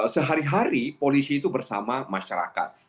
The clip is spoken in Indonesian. sehari hari polisi itu bersama masyarakat